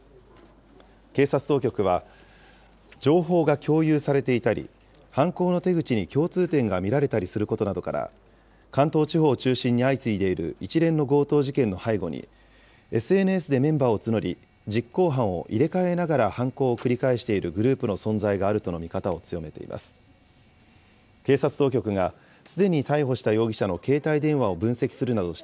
警察当局は、情報が共有されていたり、犯行の手口に共通点が見られたりすることなどから、関東地方を中心に相次いでいる一連の強盗事件の背後に、ＳＮＳでメンバーを募り、実行犯を入れ替えながら犯行を繰り返しているグループの存在があるとの見方を強めています。